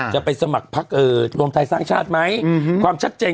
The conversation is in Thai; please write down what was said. จะไปสมัครภักรอืมรวมไทยสร้างชาติไหมอืมฮืมความชัดเจน